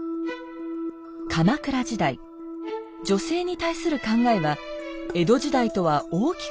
鎌倉時代女性に対する考えは江戸時代とは大きく異なっていました。